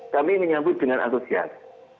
kami menyambut dengan antusias